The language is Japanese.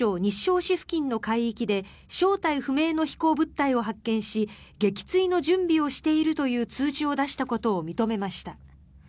市の海域で正体不明の飛行物体を発見し撃墜の準備をしているという通知を出したことを認めました。